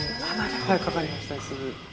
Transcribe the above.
かかりましたです。